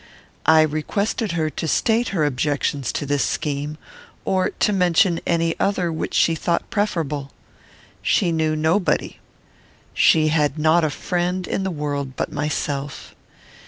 I requested her to state her objections to this scheme, or to mention any other which she thought preferable. She knew nobody. She had not a friend in the world but myself.